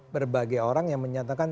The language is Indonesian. berbagai orang yang menyatakan